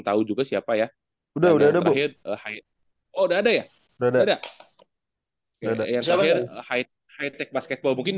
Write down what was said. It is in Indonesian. tahu juga siapa ya udah udah ada ya udah ada ya udah ada yang terakhir high tech basketball mungkin